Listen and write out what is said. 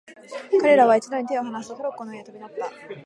彼等は一度に手をはなすと、トロッコの上へ飛び乗った。